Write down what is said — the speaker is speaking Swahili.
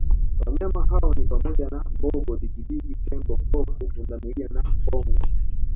Wanyama hao ni pamoja na Mbogo Digidigi Tembo pofu Pundamilia na pongo